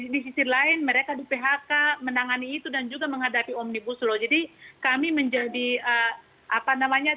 di sisi lain mereka di phk menangani itu dan juga menghadapi omnibus law jadi kami menjadi apa namanya